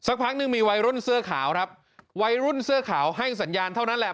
พักหนึ่งมีวัยรุ่นเสื้อขาวครับวัยรุ่นเสื้อขาวให้สัญญาณเท่านั้นแหละ